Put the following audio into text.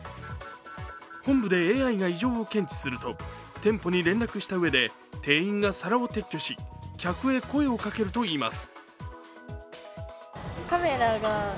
本部でＡＩが異常を検知すると、店舗に連絡したうえで店員が更を撤去し、客へ声をかけるといいます。